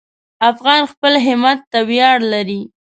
افغان خپل همت ته ویاړ لري.